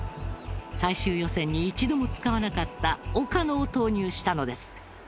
最終予選に一度も使わなかった岡野を投入したのです。